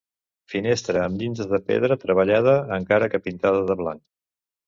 Finestra amb llindes de pedra treballada encara que pintada de blanc.